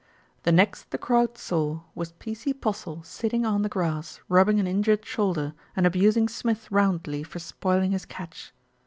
The next the crowd saw was P.C. Postle sitting on the grass rubbing an injured shoulder, and abusing Smith roundly for spoiling his catch.